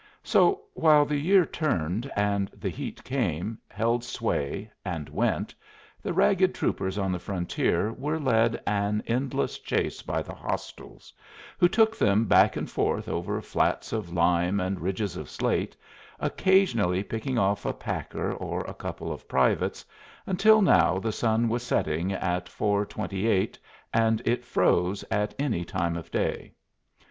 So, while the year turned, and the heat came, held sway, and went, the ragged troopers on the frontier were led an endless chase by the hostiles, who took them back and forth over flats of lime and ridges of slate, occasionally picking off a packer or a couple of privates, until now the sun was setting at 4.28 and it froze at any time of day.